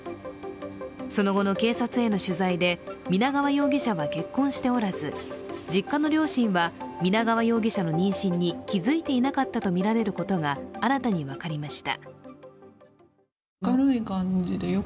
その後の警察への取材で皆川容疑者は結婚しておらず実家の両親は、皆川容疑者の妊娠に気付いていなかったとみられることが新たに分かりました。